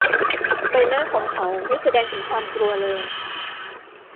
ใบหน้าของเขาไม่แสดงถึงความกลัวเลย